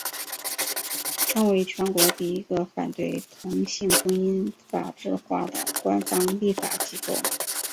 成为全国第一个反对同性婚姻法制化的官方立法机构。